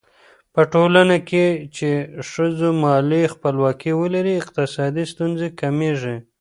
په ټولنه کې چې ښځو مالي خپلواکي ولري، اقتصادي ستونزې کمېږي.